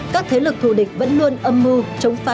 các thế lực thù địch vẫn luôn âm mưu chống phá